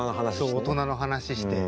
そう大人の話して。